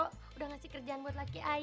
sudah memberikan kerjaan untuk laki laki